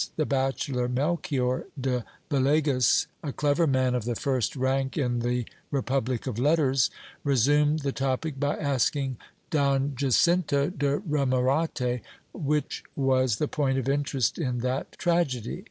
The bachelor, Melchior de Villegas, a clever man of the first rank in the repub ] lie of letters, resumed the topic by asking Don Jacinto de Romerate which was the point of interest in that tragedy.